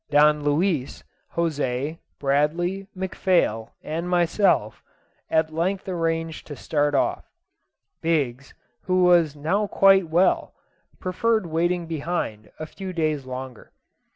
Don Luis, José, Bradley, McPhail, and myself, at length arranged to start off. Biggs, who was now quite well, preferred waiting behind a few days longer.